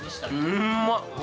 うまっ！